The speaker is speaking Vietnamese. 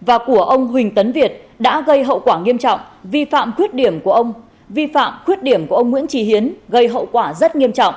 và của ông huỳnh tấn việt đã gây hậu quả nghiêm trọng vi phạm khuyết điểm của ông nguyễn trì hiến gây hậu quả rất nghiêm trọng